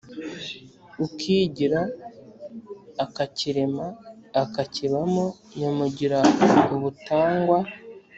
ukigira, akakirema, akakibamo nyamugira ubutangwa.”